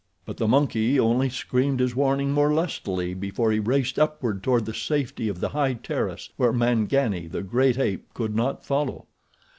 But the monkey only screamed his warning more lustily before he raced upward toward the safety of the high terrace where Mangani, the great ape, could not follow.